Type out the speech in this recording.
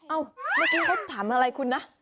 เมื่อกี้เขาถามอะไรคุณนะ